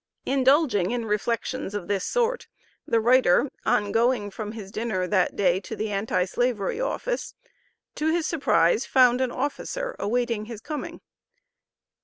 Indulging in reflections of this sort, the writer on going from his dinner that day to the anti slavery office, to his surprise found an officer awaiting his coming.